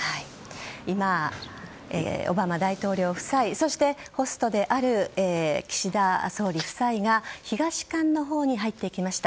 今、オバマ大統領夫妻そしてホストである岸田総理夫妻が東館のほうに入っていきました。